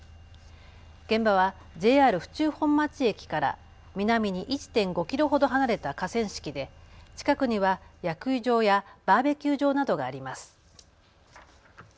現場はＪＲ府中本町駅から南に１．５キロほど離れた河川敷で近くには野球場やバーベキュー場などがあります。